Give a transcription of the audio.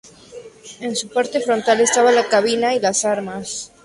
En su parte frontal estaba la cabina y las armas.